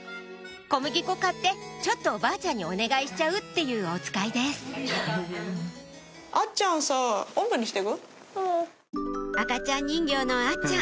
小麦粉買ってちょっとおばあちゃんにお願いしちゃうっていうおつかいです赤ちゃん人形のあっちゃん